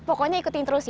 pokoknya ikutin terus ya